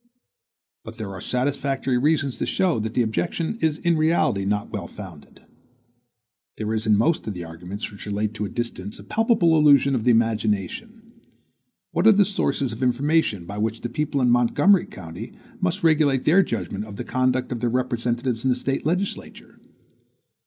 But there are satisfactory reasons to show that the objection is in reality not well founded. There is in most of the arguments which relate to distance a palpable illusion of the imagination. What are the sources of information by which the people in Montgomery County must regulate their judgment of the conduct of their representatives in the State legislature?